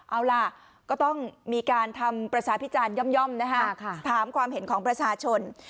เอาล่ะก็ต้องมีการทำประชาพิจารณ์ย่อมนะฮะถามความเห็นของประชาชน